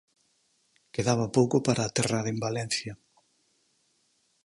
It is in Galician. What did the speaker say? Quedaba pouco para aterrar en Valencia.